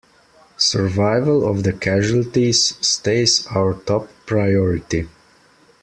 Survival of the casualties stays our top priority!